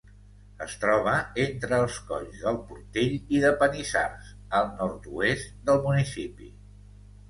Es troba entre els colls del Portell i de Panissars, al nord-oest del municipi.